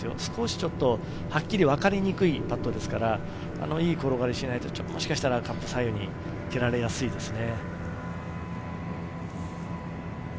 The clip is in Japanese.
ちょっと、はっきりわかりにくいパットですから、いい転がりしないと、もしかしたらアップサイドに蹴られやすいですね。